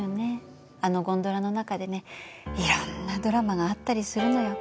あのゴンドラの中でねいろんなドラマがあったりするのよ。